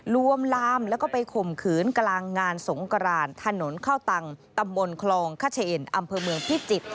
ลวนลามแล้วก็ไปข่มขืนกลางงานสงกรานถนนเข้าตังตำบลคลองขเชนอำเภอเมืองพิจิตร